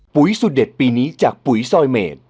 สุดเด็ดปีนี้จากปุ๋ยซอยเมด